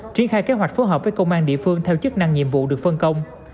triển khai kế hoạch phối hợp với công an địa phương theo chức năng nhiệm vụ được phân công